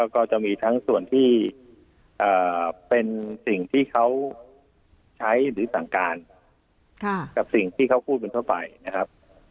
ก็จะมีทั้งส่วนที่เป็นสิ่งที่เขาใช้หรือสั่งการกับสิ่งที่เขาพูดกันทั่วไปนะครับ